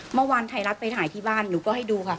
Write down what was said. เมื่อวานไทยรัฐไปถ่ายที่บ้านหนูก็ให้ดูค่ะ